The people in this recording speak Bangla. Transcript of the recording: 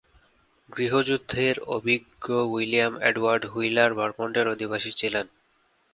গৃহযুদ্ধের অভিজ্ঞ উইলিয়াম এডওয়ার্ড হুইলার ভারমন্টের অধিবাসী ছিলেন।